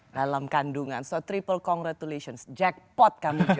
dalam kandungan south triple congratulations jackpot kami